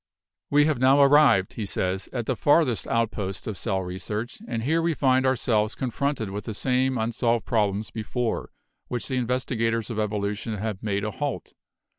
"We have now arrived," he says, "at the farthest outposts of cell research, and here we find ourselves confronted with the same unsolved problems before which the investigators of evolution have made a halt.